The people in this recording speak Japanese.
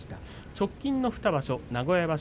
直近の２場所、名古屋場所